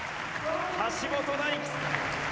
橋本大輝。